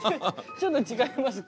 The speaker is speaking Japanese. ちょっと違いますけど。